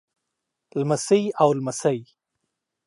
لمسۍ او لمسى